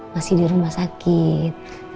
masih di rumah sakit